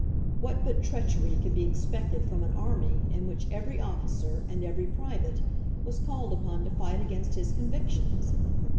What but treachery could be expected from an army in which every officer, and every private, was called upon to fight against his convictions?